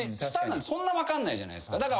舌なんてそんな分かんないじゃないですか。